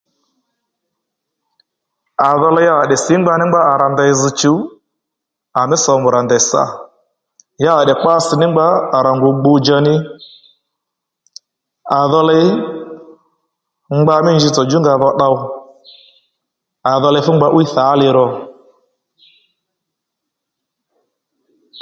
À dho ley à tdè sǐngba ní ngba rà ndèy zz̀ chùw àmí sǒmù rà ndèy sà ya à tdè kpatss̀-ní-ngba à rà ngu gbu-dja ní à dho ley ngba mí njitsò djú nga dho tdow à dho ley fú ngba 'wíy thǎ li ró